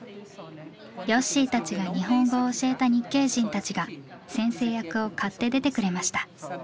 よっしーたちが日本語を教えた日系人たちが先生役を買って出てくれました。